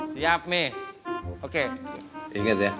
siap meh oke